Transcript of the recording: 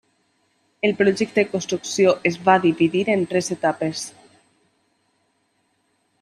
El projecte de construcció es va dividir en tres etapes.